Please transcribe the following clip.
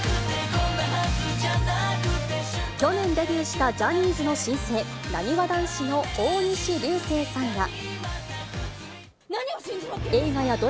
去年デビューしたジャニーズの新星、なにわ男子の大西流星さんや。